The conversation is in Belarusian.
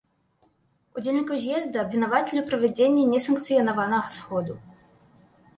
Удзельнікаў з'езда абвінавацілі ў правядзенні несанкцыянаванага сходу.